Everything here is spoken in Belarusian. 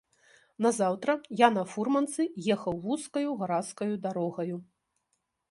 Назаўтра я на фурманцы ехаў вузкаю, гразкаю дарогаю.